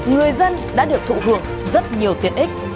người dân đã được thụ hưởng rất nhiều tiện ích